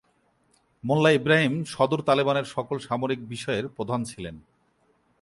মোল্লা ইব্রাহিম সদর তালেবানের সকল সামরিক বিষয়ের প্রধান ছিলেন।